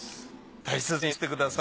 大切になさってください。